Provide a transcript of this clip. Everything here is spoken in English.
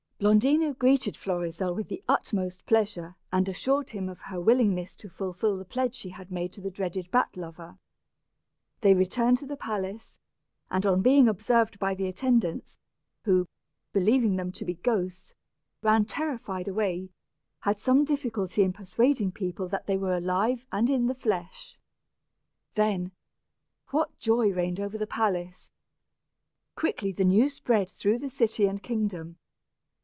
Blondina greeted Florizel with the utmost pleasure and assured him of her willingness to fulfil the pledge she had made to the dreaded bat lover. They returned to the palace, and on being observed by the attendants, who, believing them to be ghosts, ran terrified away, had some difficulty in persuading people that they were alive and in the flesh. Then, what joy reigned over the palace. Quickly the news spread through the city and kingdom.